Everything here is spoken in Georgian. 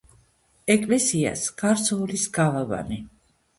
ეკლესიას გარს უვლის გალავანი.